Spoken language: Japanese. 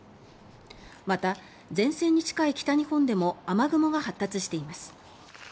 また、前線に近い北日本でも雨雲が発達しています。